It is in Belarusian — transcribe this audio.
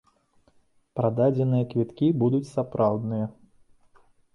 Прададзеныя квіткі будуць сапраўдныя.